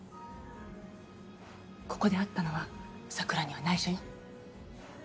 ここで会ったのは桜には内緒よ。